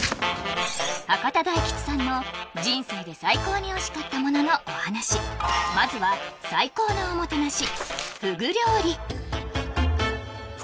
博多大吉さんの人生で最高においしかったもののお話まずは最高じゃない！